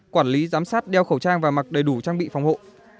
quản lý giám sát đeo khẩu trang và mặc đầy đủ trang bị phòng hộ